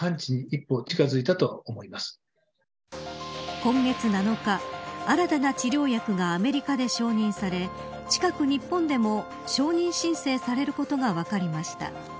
今月７日、新たな治療薬がアメリカで承認され近く日本でも承認申請されることが分かりました。